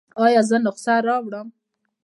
ایا زه نسخه راوړم؟